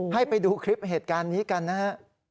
ให้ไปดูคลิปเหตุการณ์นี้กันนะฮะ